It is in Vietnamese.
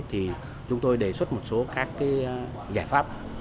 thì chúng tôi đề xuất một số các giải pháp